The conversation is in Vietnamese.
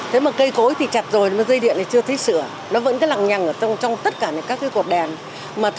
hệ thống dây cáp cũng có sự tỏa nhiệt